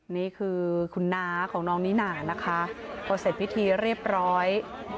นี่คือคุณน้าของน้องนิน่านะคะพอเสร็จพิธีเรียบร้อย